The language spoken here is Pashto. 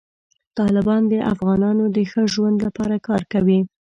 طالبان د افغانانو د ښه ژوند لپاره کار کوي.